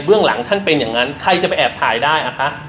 เรื่องหลังท่านเป็นอย่างนั้นใครจะไปแอบถ่ายได้อะคะ